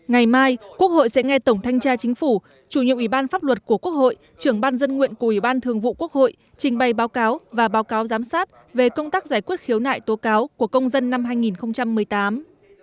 ngày mai quốc hội sẽ nghe tổng thanh tra chính phủ chủ nhiệm ủy ban pháp luật của quốc hội trưởng ban dân nguyện của ủy ban thường vụ quốc hội trình bày báo cáo và báo cáo giám sát về công tác giải quyết khiếu nại tố cáo của công dân năm hai nghìn một mươi tám